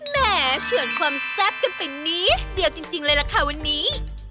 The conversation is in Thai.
แหมเฉินความแซ่บกันไปนิดเดียวจริงเลยล่ะค่ะวันนี้